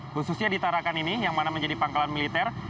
khususnya di tarakan ini yang mana menjadi pangkalan militer